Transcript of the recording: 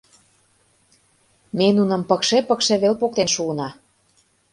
Ме нуным пыкше-пыкше веле поктен шуына.